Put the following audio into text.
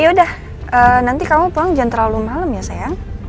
yaudah nanti kamu pulang jangan terlalu malem ya sayang